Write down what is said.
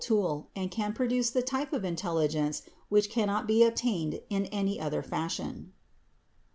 4 tool and can produce the type of intelligence which cannot be obtained in any other fashion.